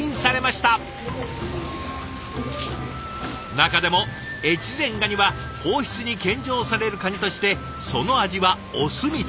中でも越前ガニは皇室に献上されるカニとしてその味はお墨付き。